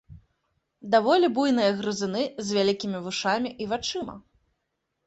Даволі буйныя грызуны з вялікімі вушамі і вачыма.